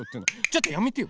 ちょっとやめて！